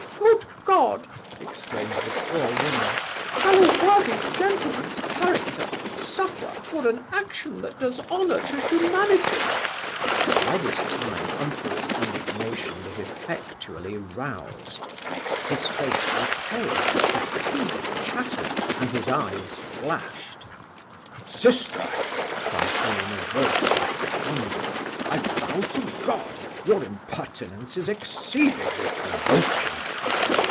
'Good God (exclaimed the poor woman) shall a worthy gentleman's character suffer for an action that does honour to humanity?' By this time, uncle's indignation was effectually roused. His face grew pale, his teeth chattered, and his eyes flashed 'Sister (cried he, in a voice like thunder) I vow to God, your impertinence is exceedingly provoking.